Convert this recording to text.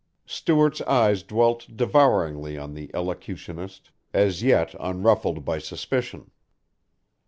Stuart's eyes dwelt devouringly on the elocutionist as yet unruffled by suspicion.